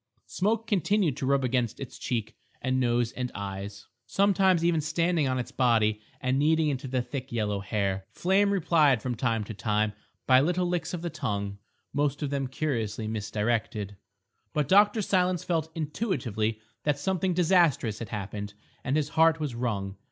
Smoke continued to rub against its cheek and nose and eyes, sometimes even standing on its body and kneading into the thick yellow hair. Flame replied from time to time by little licks of the tongue, most of them curiously misdirected. But Dr. Silence felt intuitively that something disastrous had happened, and his heart was wrung.